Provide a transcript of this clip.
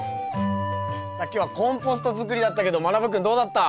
さあ今日はコンポストづくりだったけどまなぶ君どうだった？